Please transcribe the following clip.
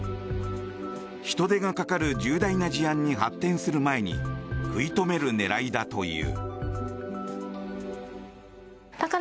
人手がかかる重大な事案に発展する前に食い止める狙いだという。